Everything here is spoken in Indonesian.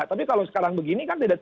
tapi kalau sekarang begini kan tidak